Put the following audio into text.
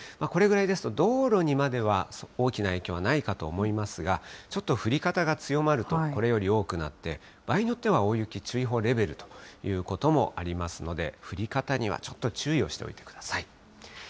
これぐらいですと、道路にまでは、大きな影響はないかと思いますが、ちょっと降り方が強まると、これより多くなって、場合によっては大雪注意報レベルということもありますので、降り方にはちょっと、注意をしておいてください。